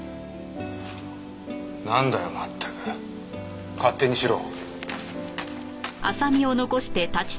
なんだよまったく勝手にしろ。